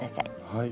はい。